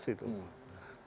walaupun demonya demo terbatas